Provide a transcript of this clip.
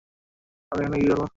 আমি ওখানে কী করবো?